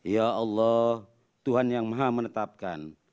ya allah tuhan yang maha menetapkan